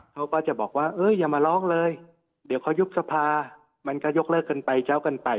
เขาก็จะบอกว่าอย่ามาร้องเลยเดี๋ยวเขายุบสภามันก็ยกเลิกกันไปเจ้ากันไป